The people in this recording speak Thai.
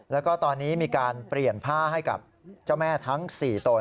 แล้วก็ตอนนี้มีการเปลี่ยนผ้าให้กับเจ้าแม่ทั้ง๔ตน